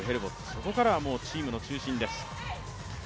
そこからはもうチームの中心です。